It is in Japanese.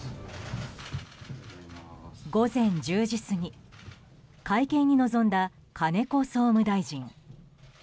午前１０時過ぎ会見に臨んだ金子総務大臣。